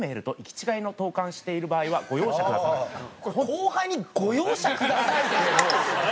後輩に「ご容赦ください」っていう。